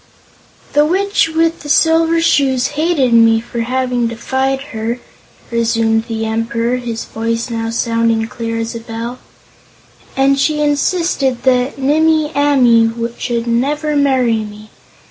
"The Witch with the Silver Shoes hated me for having defied her," resumed the Emperor, his voice now sounding clear as a bell, "and she insisted that Nimmie Amee should never marry me.